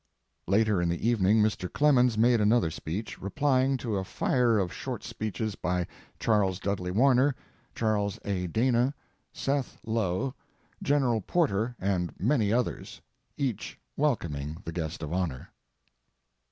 Later in the evening Mr. Clemens made another speech, replying to a fire of short speeches by Charles Dudley Warner, Charles A. Dana, Seth Low, General Porter, and many others, each welcoming the guest of honor.